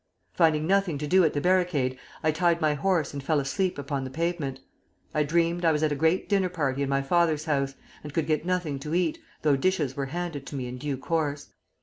Finding nothing to do at the barricade, I tied my horse and fell asleep upon the pavement. I dreamed I was at a great dinner party in my father's house, and could get nothing to eat, though dishes were handed to me in due course.